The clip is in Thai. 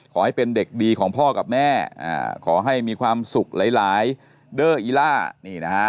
ขอให้เป็นเด็กดีของพ่อกับแม่ขอให้มีความสุขหลายเด้ออีล่านี่นะฮะ